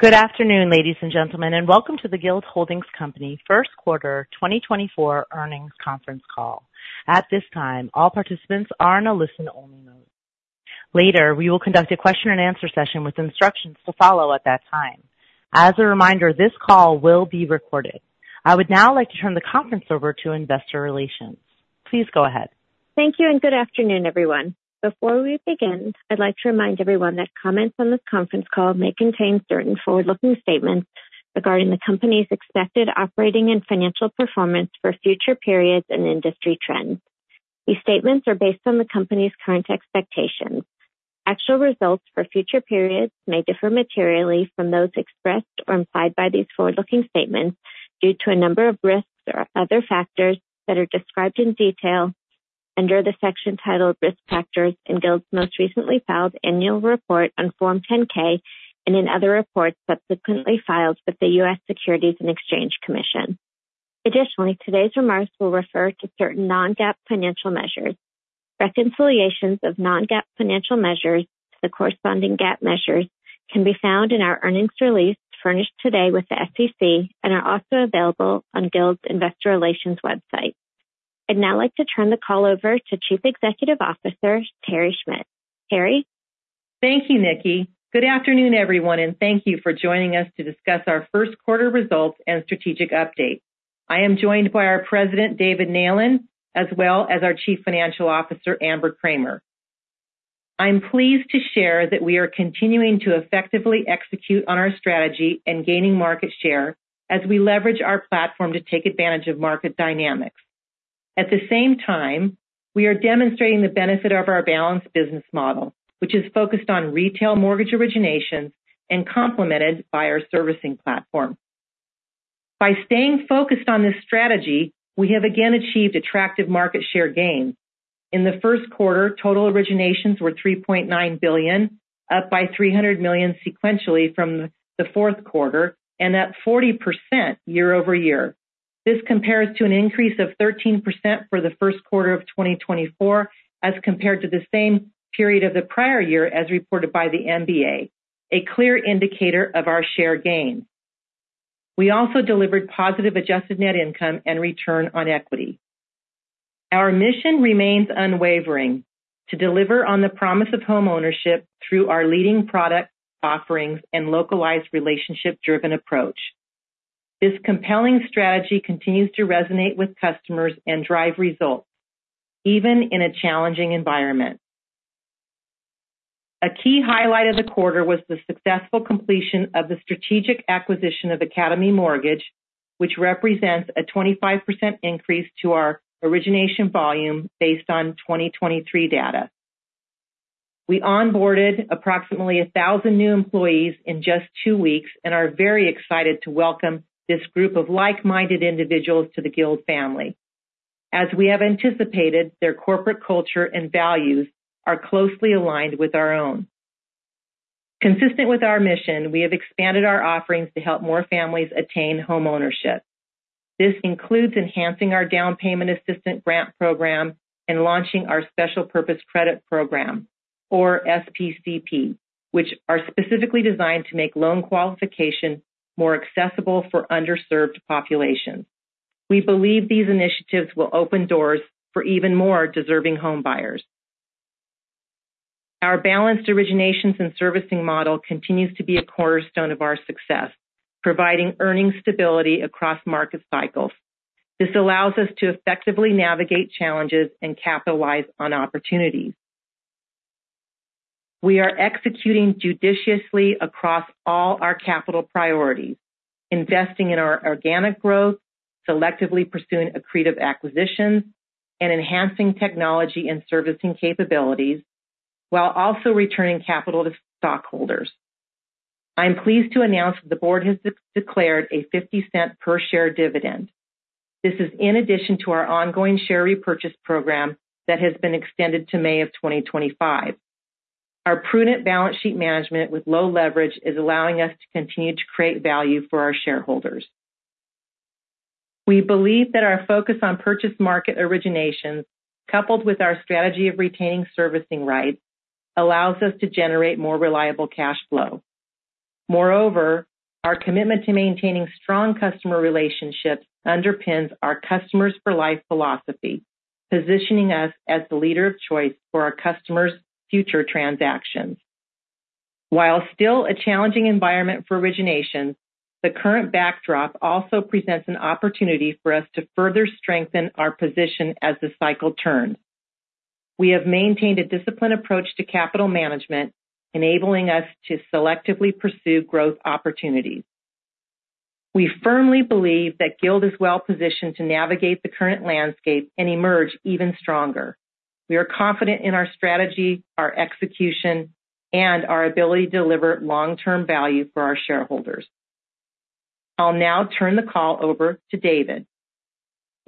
Good afternoon, ladies and gentlemen, and welcome to the Guild Holdings Company First Quarter 2024 Earnings Conference Call. At this time, all participants are in a listen-only mode. Later, we will conduct a question-and-answer session with instructions to follow at that time. As a reminder, this call will be recorded. I would now like to turn the conference over to Investor Relations. Please go ahead. Thank you, and good afternoon, everyone. Before we begin, I'd like to remind everyone that comments on this conference call may contain certain forward-looking statements regarding the company's expected operating and financial performance for future periods and industry trends. These statements are based on the company's current expectations. Actual results for future periods may differ materially from those expressed or implied by these forward-looking statements due to a number of risks or other factors that are described in detail under the section titled Risk Factors in Guild's most recently filed annual report on Form 10-K and in other reports subsequently filed with the U.S. Securities and Exchange Commission. Additionally, today's remarks will refer to certain non-GAAP financial measures. Reconciliations of non-GAAP financial measures to the corresponding GAAP measures can be found in our earnings release furnished today with the SEC and are also available on Guild's Investor Relations website. I'd now like to turn the call over to Chief Executive Officer, Terry Schmidt. Terry? Thank you, Nikki. Good afternoon, everyone, and thank you for joining us to discuss our first quarter results and strategic update. I am joined by our President, David Neylan, as well as our Chief Financial Officer, Amber Kramer. I'm pleased to share that we are continuing to effectively execute on our strategy and gaining market share as we leverage our platform to take advantage of market dynamics. At the same time, we are demonstrating the benefit of our balanced business model, which is focused on retail mortgage originations and complemented by our servicing platform. By staying focused on this strategy, we have again achieved attractive market share gains. In the first quarter, total originations were $3.9 billion, up by $300 million sequentially from the fourth quarter and up 40% year-over-year. This compares to an increase of 13% for the first quarter of 2024 as compared to the same period of the prior year as reported by the MBA, a clear indicator of our share gains. We also delivered positive adjusted net income and return on equity. Our mission remains unwavering: to deliver on the promise of homeownership through our leading product offerings and localized relationship-driven approach. This compelling strategy continues to resonate with customers and drive results even in a challenging environment. A key highlight of the quarter was the successful completion of the strategic acquisition of Academy Mortgage, which represents a 25% increase to our origination volume based on 2023 data. We onboarded approximately 1,000 new employees in just two weeks and are very excited to welcome this group of like-minded individuals to the Guild family. As we have anticipated, their corporate culture and values are closely aligned with our own. Consistent with our mission, we have expanded our offerings to help more families attain homeownership. This includes enhancing our down payment assistance grant program and launching our special purpose credit program, or SPCP, which are specifically designed to make loan qualification more accessible for underserved populations. We believe these initiatives will open doors for even more deserving homebuyers. Our balanced originations and servicing model continues to be a cornerstone of our success, providing earning stability across market cycles. This allows us to effectively navigate challenges and capitalize on opportunities. We are executing judiciously across all our capital priorities, investing in our organic growth, selectively pursuing accretive acquisitions, and enhancing technology and servicing capabilities while also returning capital to stockholders. I'm pleased to announce that the board has declared a $0.50 per share dividend. This is in addition to our ongoing share repurchase program that has been extended to May of 2025. Our prudent balance sheet management with low leverage is allowing us to continue to create value for our shareholders. We believe that our focus on purchase market originations, coupled with our strategy of retaining servicing rights, allows us to generate more reliable cash flow. Moreover, our commitment to maintaining strong customer relationships underpins our customers for life philosophy, positioning us as the leader of choice for our customers' future transactions. While still a challenging environment for origination, the current backdrop also presents an opportunity for us to further strengthen our position as the cycle turns. We have maintained a disciplined approach to capital management, enabling us to selectively pursue growth opportunities. We firmly believe that Guild is well positioned to navigate the current landscape and emerge even stronger. We are confident in our strategy, our execution, and our ability to deliver long-term value for our shareholders. I'll now turn the call over to David.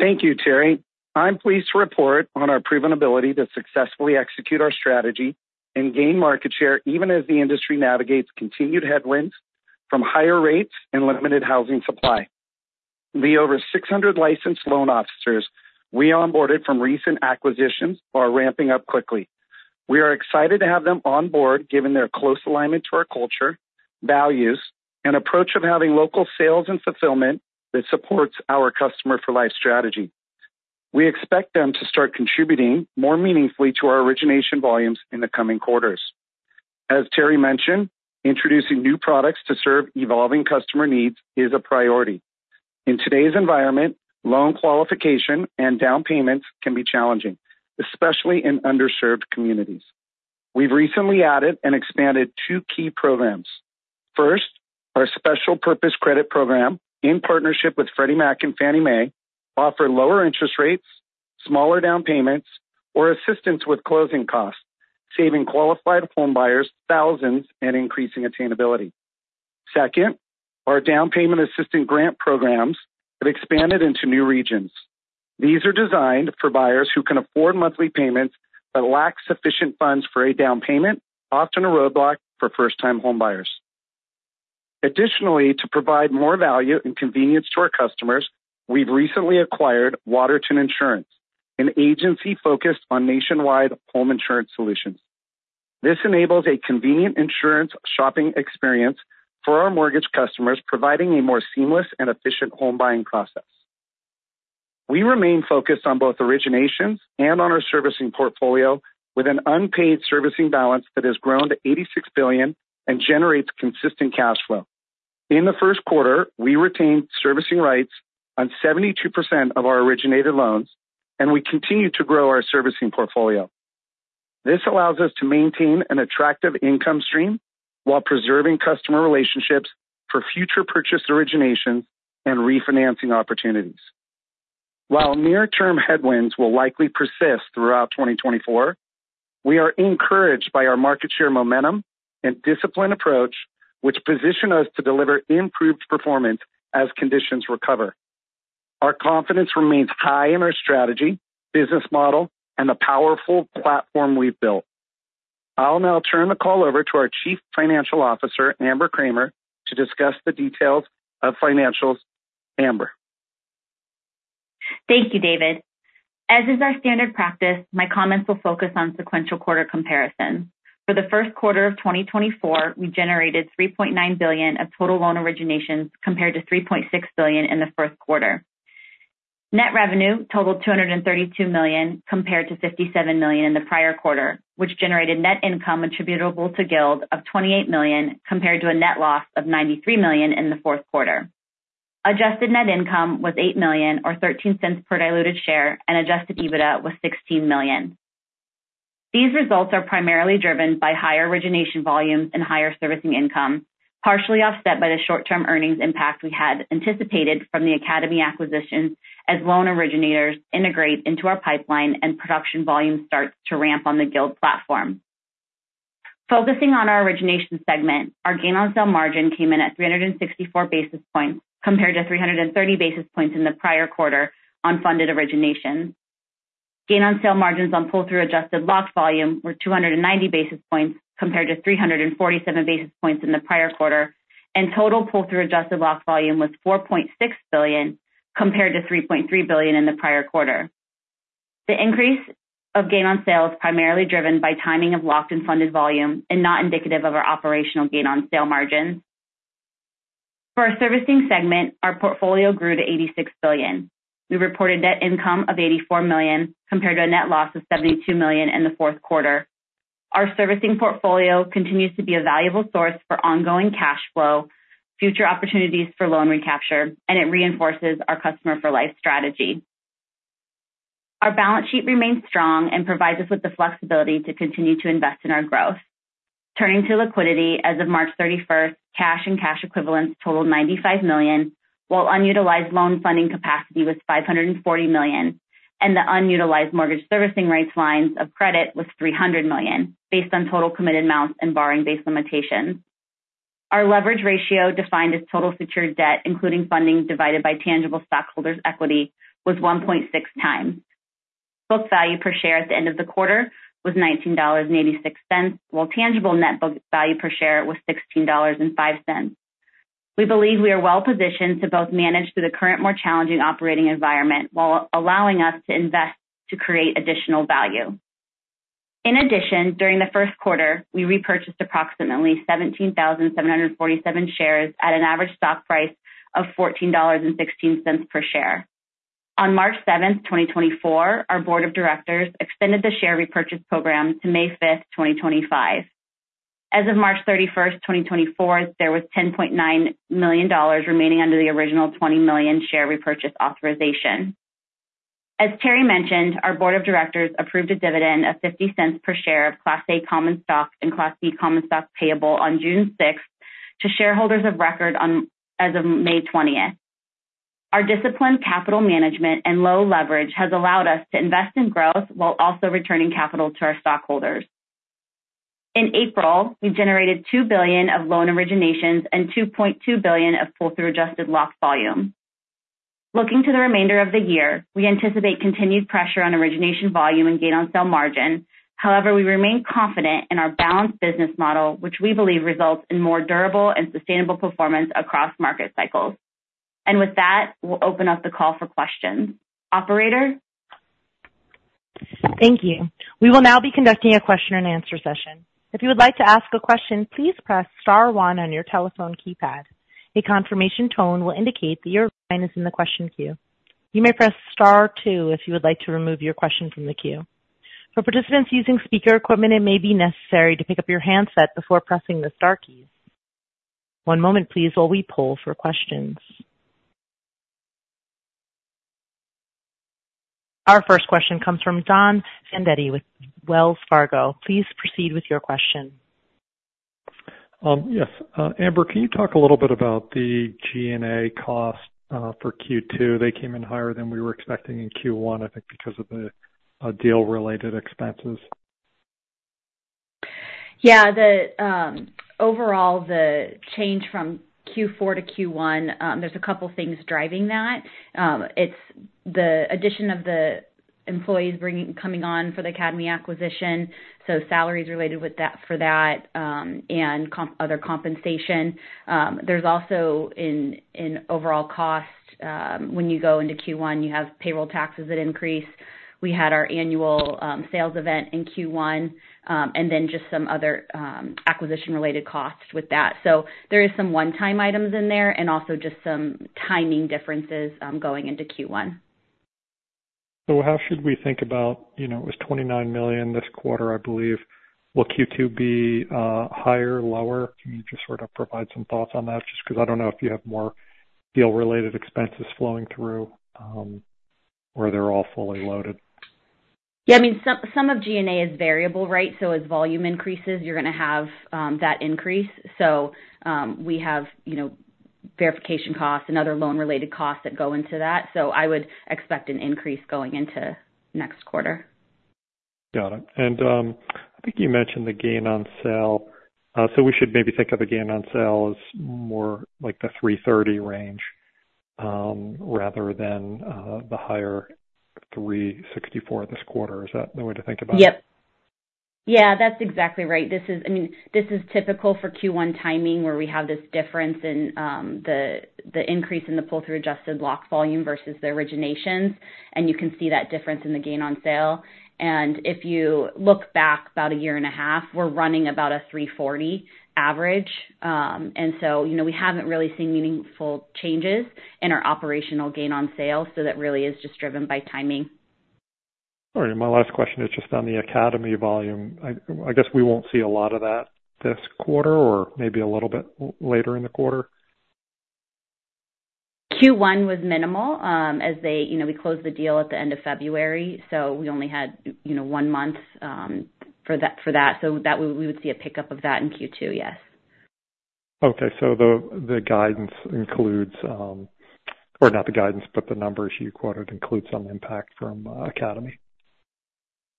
Thank you, Terry. I'm pleased to report on our proven ability to successfully execute our strategy and gain market share, even as the industry navigates continued headwinds from higher rates and limited housing supply.... The over 600 licensed loan officers we onboarded from recent acquisitions are ramping up quickly. We are excited to have them on board, given their close alignment to our culture, values, and approach of having local sales and fulfillment that supports our customer for life strategy. We expect them to start contributing more meaningfully to our origination volumes in the coming quarters. As Terry mentioned, introducing new products to serve evolving customer needs is a priority. In today's environment, loan qualification and down payments can be challenging, especially in underserved communities. We've recently added and expanded two key programs. First, our special purpose credit program, in partnership with Freddie Mac and Fannie Mae, offer lower interest rates, smaller down payments, or assistance with closing costs, saving qualified home buyers thousands and increasing attainability. Second, our down payment assistance grant programs have expanded into new regions. These are designed for buyers who can afford monthly payments but lack sufficient funds for a down payment, often a roadblock for first-time homebuyers. Additionally, to provide more value and convenience to our customers, we've recently acquired Waterton Insurance, an agency focused on nationwide home insurance solutions. This enables a convenient insurance shopping experience for our mortgage customers, providing a more seamless and efficient home buying process. We remain focused on both originations and on our servicing portfolio, with an unpaid servicing balance that has grown to $86 billion and generates consistent cash flow. In the first quarter, we retained servicing rights on 72% of our originated loans, and we continue to grow our servicing portfolio. This allows us to maintain an attractive income stream while preserving customer relationships for future purchase origination and refinancing opportunities. While near-term headwinds will likely persist throughout 2024, we are encouraged by our market share momentum and disciplined approach, which position us to deliver improved performance as conditions recover. Our confidence remains high in our strategy, business model, and the powerful platform we've built. I'll now turn the call over to our Chief Financial Officer, Amber Kramer, to discuss the details of financials. Amber? Thank you, David. As is our standard practice, my comments will focus on sequential quarter comparison. For the first quarter of 2024, we generated $3.9 billion of total loan originations, compared to $3.6 billion in the first quarter. Net revenue totaled $232 million, compared to $57 million in the prior quarter, which generated net income attributable to Guild of $28 million, compared to a net loss of $93 million in the fourth quarter. Adjusted net income was $8 million or $0.13 per diluted share, and adjusted EBITDA was $16 million. These results are primarily driven by higher origination volumes and higher servicing income, partially offset by the short-term earnings impact we had anticipated from the Academy acquisition, as loan originators integrate into our pipeline and production volume starts to ramp on the Guild platform. Focusing on our origination segment, our gain on sale margin came in at 364 basis points, compared to 330 basis points in the prior quarter on funded origination. Gain on sale margins on pull-through adjusted locked volume were 290 basis points, compared to 347 basis points in the prior quarter, and total pull-through adjusted locked volume was $4.6 billion, compared to $3.3 billion in the prior quarter. The increase of gain on sale is primarily driven by timing of locked and funded volume and not indicative of our operational gain on sale margin. For our servicing segment, our portfolio grew to $86 billion. We reported net income of $84 million, compared to a net loss of $72 million in the fourth quarter. Our servicing portfolio continues to be a valuable source for ongoing cash flow, future opportunities for loan recapture, and it reinforces our customer for life strategy. Our balance sheet remains strong and provides us with the flexibility to continue to invest in our growth. Turning to liquidity, as of March 31, cash and cash equivalents totaled $95 million, while unutilized loan funding capacity was $540 million, and the unutilized mortgage servicing rights lines of credit was $300 million, based on total committed amounts and borrowing based limitations. Our leverage ratio, defined as total secured debt, including funding divided by tangible stockholders' equity, was 1.6 times. Book value per share at the end of the quarter was $19.86, while tangible net book value per share was $16.05. We believe we are well positioned to both manage through the current, more challenging operating environment, while allowing us to invest to create additional value. In addition, during the first quarter, we repurchased approximately 17,747 shares at an average stock price of $14.16 per share. On March 7, 2024, our board of directors extended the share repurchase program to May 5, 2025. As of March 31, 2024, there was $10.9 million remaining under the original $20 million share repurchase authorization. As Terry mentioned, our board of directors approved a dividend of $0.50 per share of Class A common stock and Class B common stock payable on June 6 to shareholders of record as of May 20. Our disciplined capital management and low leverage has allowed us to invest in growth while also returning capital to our stockholders. In April, we generated $2 billion of loan originations and $2.2 billion of pull-through adjusted locked volume. Looking to the remainder of the year, we anticipate continued pressure on origination volume and gain on sale margin. However, we remain confident in our balanced business model, which we believe results in more durable and sustainable performance across market cycles. And with that, we'll open up the call for questions. Operator?... Thank you. We will now be conducting a question and answer session. If you would like to ask a question, please press star one on your telephone keypad. A confirmation tone will indicate that your line is in the question queue. You may press star two if you would like to remove your question from the queue. For participants using speaker equipment, it may be necessary to pick up your handset before pressing the star keys. One moment please, while we poll for questions. Our first question comes from Don Fandetti with Wells Fargo. Please proceed with your question. Yes. Amber, can you talk a little bit about the G&A cost for Q2? They came in higher than we were expecting in Q1, I think because of the deal-related expenses. Yeah, the overall change from Q4 to Q1, there's a couple things driving that. It's the addition of the employees coming on for the Academy acquisition, so salaries related with that for that, and other compensation. There's also in overall cost, when you go into Q1, you have payroll taxes that increase. We had our annual sales event in Q1, and then just some other acquisition-related costs with that. So there is some one-time items in there and also just some timing differences going into Q1. So how should we think about, you know, it was $29 million this quarter, I believe. Will Q2 be higher, lower? Can you just sort of provide some thoughts on that? Just 'cause I don't know if you have more deal-related expenses flowing through, or they're all fully loaded. Yeah, I mean, some of GNA is variable, right? So as volume increases, you're gonna have that increase. So, we have, you know, verification costs and other loan-related costs that go into that. So I would expect an increase going into next quarter. Got it. And, I think you mentioned the gain on sale. So we should maybe think of the gain on sale as more like the 330 range, rather than the higher 364 this quarter. Is that the way to think about it? Yep. Yeah, that's exactly right. This is, I mean, this is typical for Q1 timing, where we have this difference in the increase in the pull-through adjusted lock volume versus the originations, and you can see that difference in the gain on sale. And if you look back about a year and a half, we're running about a 340 average. And so, you know, we haven't really seen meaningful changes in our operational gain on sale, so that really is just driven by timing. All right. And my last question is just on the Academy volume. I guess we won't see a lot of that this quarter or maybe a little bit later in the quarter? Q1 was minimal, as they, you know, we closed the deal at the end of February, so we only had, you know, one month, for that. So that we would see a pickup of that in Q2, yes. Okay, so the guidance includes... Or not the guidance, but the numbers you quoted include some impact from Academy?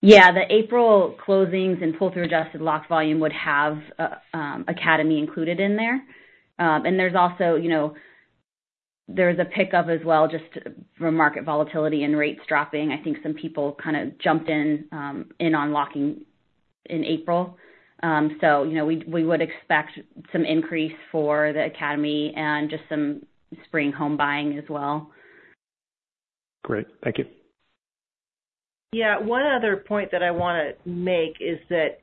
Yeah, the April closings and pull-through adjusted locked volume would have Academy included in there. And there's also, you know, there's a pickup as well just from market volatility and rates dropping. I think some people kind of jumped in on locking in April. So, you know, we would expect some increase for the Academy and just some spring home buying as well. Great. Thank you. Yeah, one other point that I wanna make is that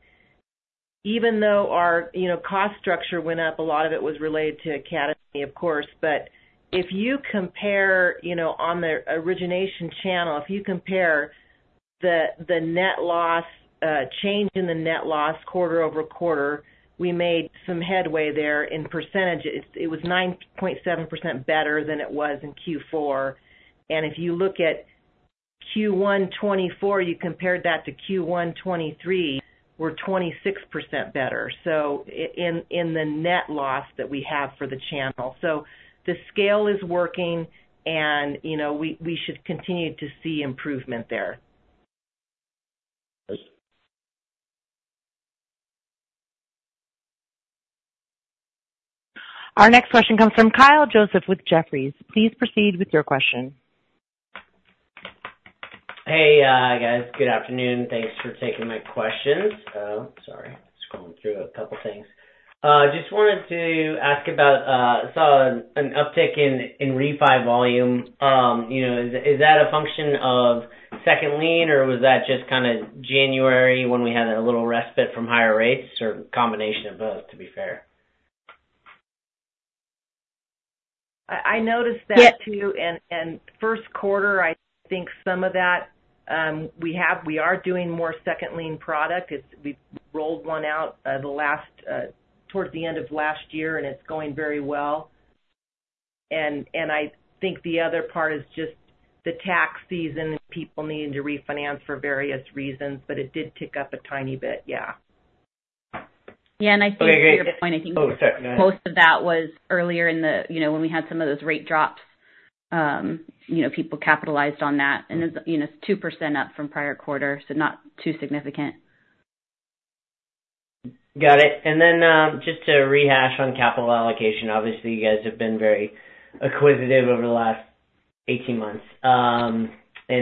even though our, you know, cost structure went up, a lot of it was related to Academy, of course. But if you compare, you know, on the origination channel, if you compare the, the net loss, change in the net loss quarter-over-quarter, we made some headway there in percentages. It was 9.7% better than it was in Q4. And if you look at Q1 2024, you compare that to Q1 2023, we're 26% better, so in, in the net loss that we have for the channel. So the scale is working, and, you know, we, we should continue to see improvement there. Thanks. Our next question comes from Kyle Joseph with Jefferies. Please proceed with your question. Hey, guys. Good afternoon. Thanks for taking my questions. Oh, sorry, scrolling through a couple things. Just wanted to ask about saw an uptick in refi volume. You know, is that a function of second lien, or was that just kind of January when we had a little respite from higher rates, or a combination of both, to be fair? I noticed that, too. Yeah- First quarter, I think some of that, we are doing more second lien product. We rolled one out towards the end of last year, and it's going very well. I think the other part is just the tax season, people needing to refinance for various reasons, but it did tick up a tiny bit, yeah. Yeah, and I think to your point, I think- Oh, sorry. Most of that was earlier in the... You know, when we had some of those rate drops, you know, people capitalized on that, and it's, you know, 2% up from prior quarter, so not too significant. Got it. And then, just to rehash on capital allocation, obviously, you guys have been very acquisitive over the last 18 months. And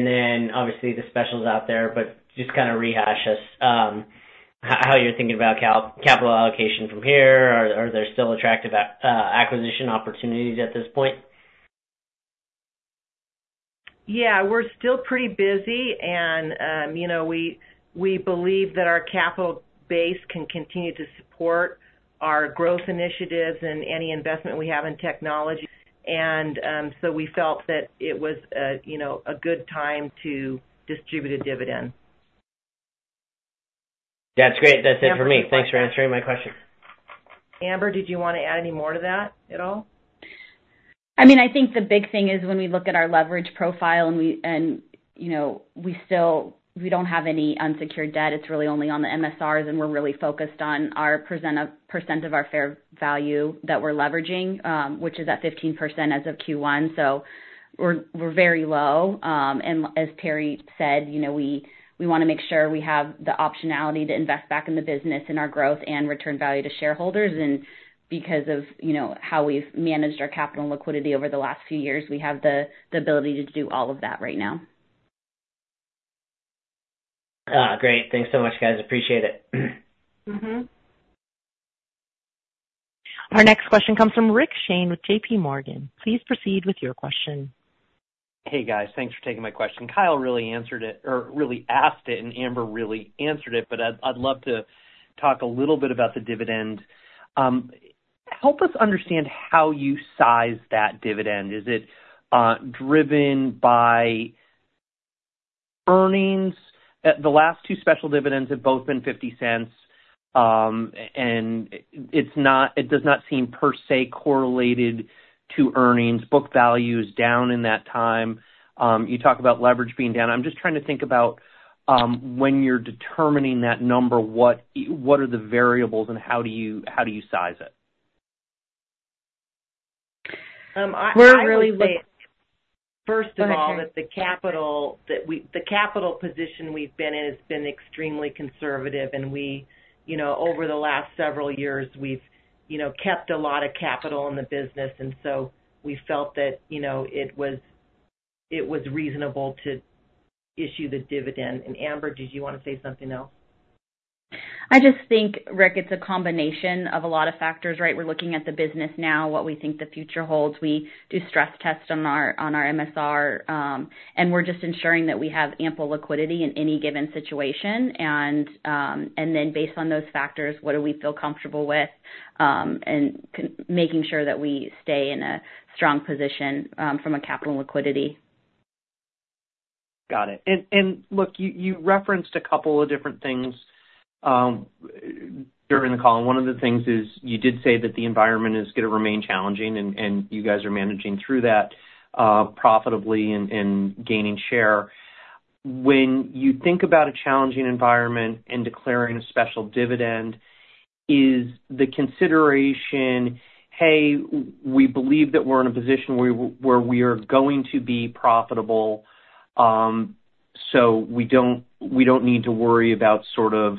then obviously, the specials out there, but just kind of rehash us, how you're thinking about capital allocation from here. Are there still attractive acquisition opportunities at this point?... Yeah, we're still pretty busy, and, you know, we believe that our capital base can continue to support our growth initiatives and any investment we have in technology. So we felt that it was, you know, a good time to distribute a dividend. That's great. That's it for me. Thanks for answering my question. Amber, did you want to add any more to that at all? I mean, I think the big thing is when we look at our leverage profile and, you know, we still don't have any unsecured debt. It's really only on the MSRs, and we're really focused on our percent of our fair value that we're leveraging, which is at 15% as of Q1. So we're very low. And as Terry said, you know, we want to make sure we have the optionality to invest back in the business and our growth and return value to shareholders. And because of, you know, how we've managed our capital and liquidity over the last few years, we have the ability to do all of that right now. Ah, great. Thanks so much, guys. Appreciate it. Mm-hmm. Our next question comes from Rick Shane with JP Morgan. Please proceed with your question. Hey, guys. Thanks for taking my question. Kyle really answered it or really asked it, and Amber really answered it, but I'd love to talk a little bit about the dividend. Help us understand how you size that dividend. Is it driven by earnings? The last two special dividends have both been $0.50, and it's not - it does not seem per se correlated to earnings. Book value is down in that time. You talk about leverage being down. I'm just trying to think about when you're determining that number, what are the variables and how do you size it? I would say, first of all, that the capital that we, the capital position we've been in has been extremely conservative, and we, you know, over the last several years, we've, you know, kept a lot of capital in the business, and so we felt that, you know, it was reasonable to issue the dividend. Amber, did you want to say something else? I just think, Rick, it's a combination of a lot of factors, right? We're looking at the business now, what we think the future holds. We do stress tests on our MSR, and we're just ensuring that we have ample liquidity in any given situation. And then based on those factors, what do we feel comfortable with, and making sure that we stay in a strong position, from a capital and liquidity. Got it. And look, you referenced a couple of different things during the call, and one of the things is you did say that the environment is going to remain challenging, and you guys are managing through that profitably and gaining share. When you think about a challenging environment and declaring a special dividend, is the consideration, hey, we believe that we're in a position where we are going to be profitable, so we don't, we don't need to worry about sort of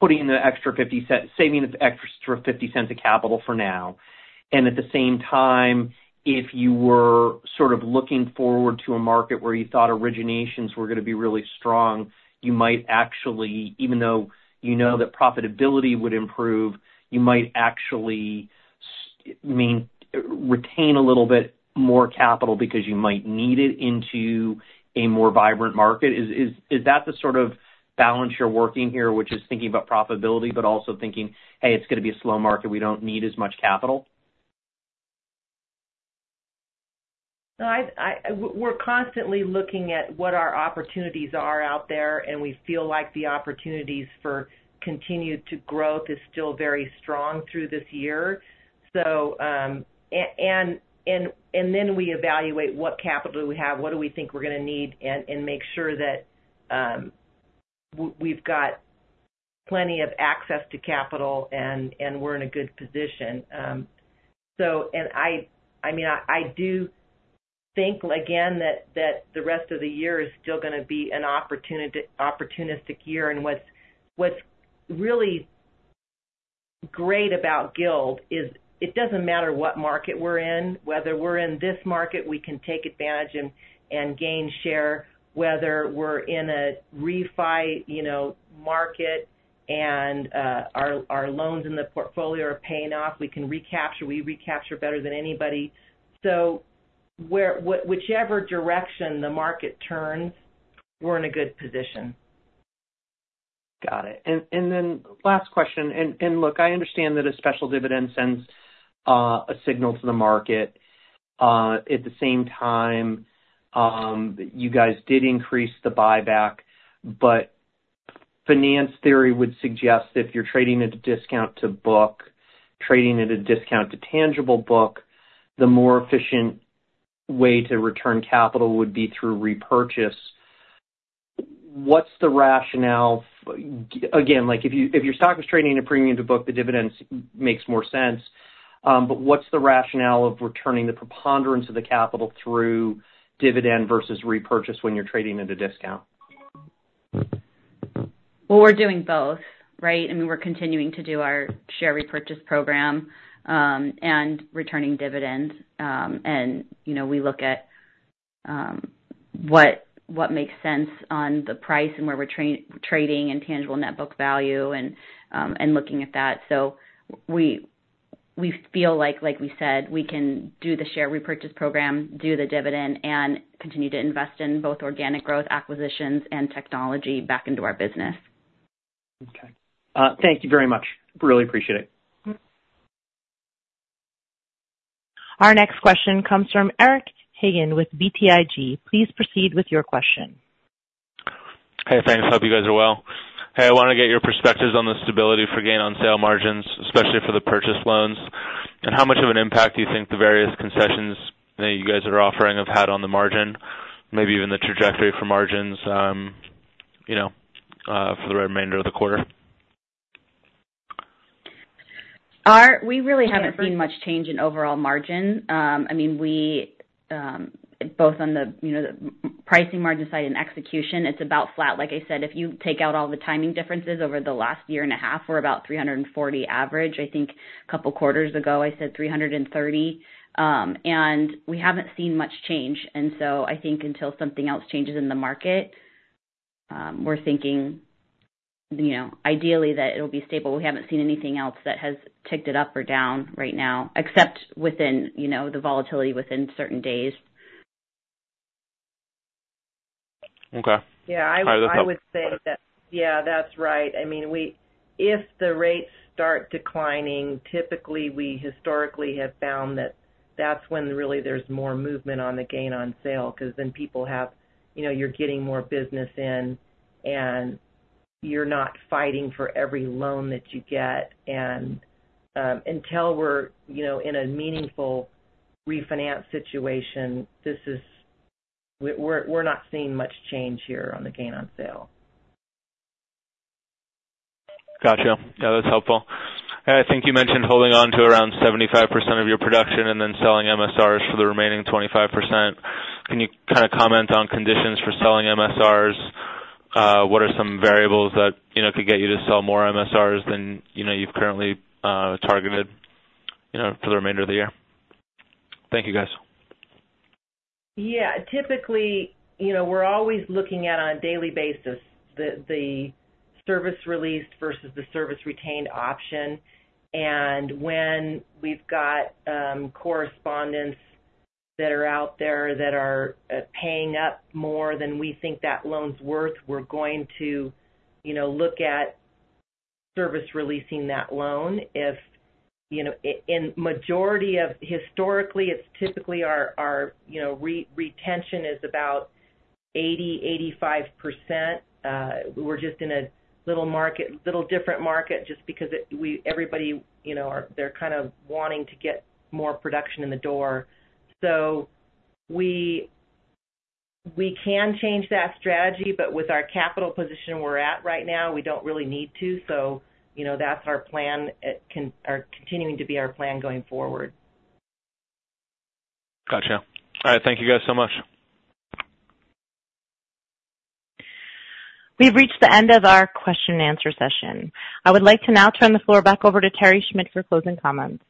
putting in the extra $0.50—saving the extra $0.50 of capital for now. And at the same time, if you were sort of looking forward to a market where you thought originations were going to be really strong, you might actually, even though you know that profitability would improve, you might actually I mean, retain a little bit more capital because you might need it into a more vibrant market. Is that the sort of balance you're working here, which is thinking about profitability, but also thinking, hey, it's going to be a slow market, we don't need as much capital? No, we're constantly looking at what our opportunities are out there, and we feel like the opportunities for continued to growth is still very strong through this year. So, then we evaluate what capital we have, what do we think we're going to need, and make sure that we've got plenty of access to capital, and we're in a good position. So, I mean, I do think again that the rest of the year is still going to be an opportunistic year. And what's really great about Guild is it doesn't matter what market we're in, whether we're in this market, we can take advantage and gain share. Whether we're in a refi, you know, market and our loans in the portfolio are paying off, we can recapture. We recapture better than anybody. So whichever direction the market turns, we're in a good position. Got it. And then last question. And look, I understand that a special dividend sends a signal to the market. At the same time, you guys did increase the buyback, but finance theory would suggest if you're trading at a discount to book, trading at a discount to tangible book, the more efficient way to return capital would be through repurchase. What's the rationale? Again, like, if your stock was trading at a premium to book, the dividends makes more sense. But what's the rationale of returning the preponderance of the capital through dividend versus repurchase when you're trading at a discount? Well, we're doing both, right? I mean, we're continuing to do our share repurchase program, and returning dividends. And, you know, we look at what makes sense on the price and where we're trading and tangible net book value, and looking at that. So we feel like, like we said, we can do the share repurchase program, do the dividend, and continue to invest in both organic growth acquisitions and technology back into our business. Okay. Thank you very much. Really appreciate it. Our next question comes from Eric Hagen with BTIG. Please proceed with your question. Hey, thanks. Hope you guys are well. Hey, I want to get your perspectives on the stability for gain on sale margins, especially for the purchase loans. And how much of an impact do you think the various concessions that you guys are offering have had on the margin, maybe even the trajectory for margins, you know, for the remainder of the quarter? We really haven't seen much change in overall margin. I mean, we both on the, you know, the pricing margin side and execution, it's about flat. Like I said, if you take out all the timing differences over the last year and a half, we're about 340 average. I think a couple quarters ago, I said 330. And we haven't seen much change, and so I think until something else changes in the market, we're thinking, you know, ideally that it'll be stable. We haven't seen anything else that has ticked it up or down right now, except within, you know, the volatility within certain days. Okay. Yeah, I would, I would say that. Yeah, that's right. I mean, we--if the rates start declining, typically, we historically have found that that's when really there's more movement on the gain on sale, because then people have, you know, you're getting more business in, and you're not fighting for every loan that you get. And until we're, you know, in a meaningful refinance situation, this is... We're, we're not seeing much change here on the gain on sale. Gotcha. Yeah, that's helpful. I think you mentioned holding on to around 75% of your production and then selling MSRs for the remaining 25%. Can you kind of comment on conditions for selling MSRs? What are some variables that, you know, could get you to sell more MSRs than, you know, you've currently targeted, you know, for the remainder of the year? Thank you, guys. Yeah. Typically, you know, we're always looking at, on a daily basis, the servicing released versus the servicing retained option. And when we've got correspondents that are out there that are paying up more than we think that loan's worth, we're going to, you know, look at servicing releasing that loan. In majority of historically, it's typically our retention is about 80%-85%. We're just in a little market, little different market, just because everybody, you know, they're kind of wanting to get more production in the door. So we can change that strategy, but with our capital position we're at right now, we don't really need to. So, you know, that's our plan, or continuing to be our plan going forward. Gotcha. All right, thank you guys so much. We've reached the end of our question and answer session. I would like to now turn the floor back over to Terry Schmidt for closing comments.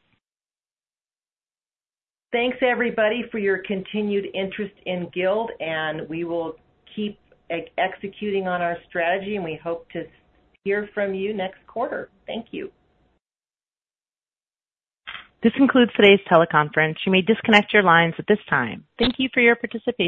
Thanks, everybody, for your continued interest in Guild, and we will keep executing on our strategy, and we hope to hear from you next quarter. Thank you. This concludes today's teleconference. You may disconnect your lines at this time. Thank you for your participation.